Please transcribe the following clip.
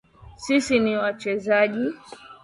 Sisi ni wachezaji